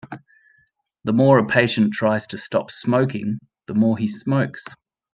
The more a patient tries to stop smoking, the more he smokes.